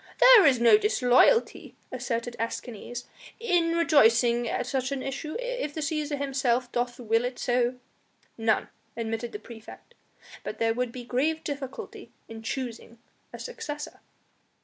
"There is no disloyalty," asserted Escanes, "in rejoicing at such an issue, if the Cæsar himself doth will it so." "None," admitted the praefect; "but there would be grave difficulty in choosing a successor."